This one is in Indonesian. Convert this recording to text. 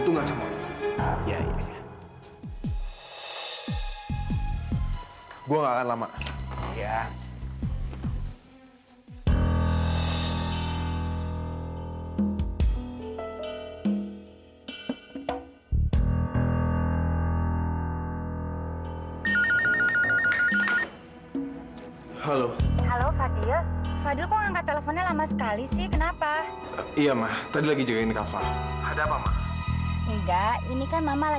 tapi apa yang ku dapat gua gak dapat apa apa